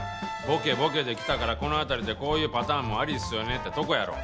ボケボケできたからこの辺りでこういうパターンもありですよねってとこやろ？